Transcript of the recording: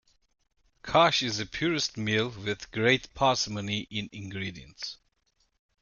Khash is a purist meal with great parsimony in ingredients.